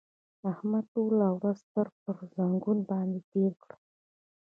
احمد ټوله ورځ سر پر ځنګانه باندې تېره کړه.